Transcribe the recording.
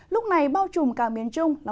lúc này bao trùm cả miền trung